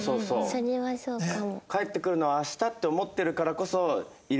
それはそうかも。